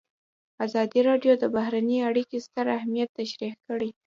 ازادي راډیو د بهرنۍ اړیکې ستر اهميت تشریح کړی.